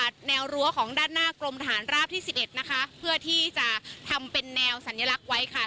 ด้านหน้ากลมทหารราบที่๑๑นะคะเพื่อที่จะทำเป็นแนวสัญลักษณ์ไว้ค่ะ